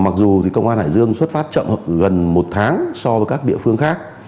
mặc dù thì công an hải dương xuất phát chậm gần một tháng so với các địa phương khác